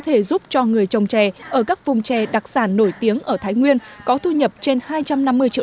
thể giúp cho người trồng chè ở các vùng chè đặc sản nổi tiếng ở thái nguyên có thu nhập trên hai trăm năm mươi triệu